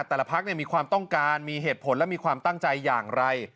พักมีความต้องการมีเหตุผลและมีความตั้งใจอย่างไร